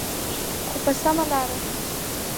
خو په سمه لاره.